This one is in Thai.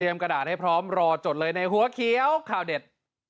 กระดาษให้พร้อมรอจดเลยในหัวเขียวข่าวเด็ด